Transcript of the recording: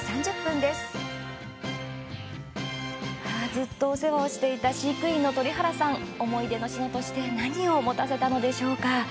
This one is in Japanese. ずっとお世話をしていた飼育員の鳥原さん何を思い出の品として持たせたのでしょうか。